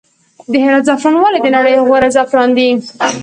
د هرات زعفران ولې د نړۍ غوره زعفران دي؟